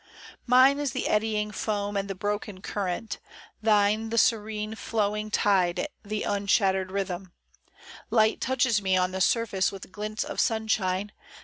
MINE is the eddying foam and the broken current. Thine the serene flowing tide, the unshattered rhythm ; Light touches me on the surface with glints of sunshine.